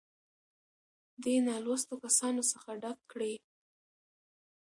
دې نـالـوسـتو کسـانـو څـخـه ډک کـړي.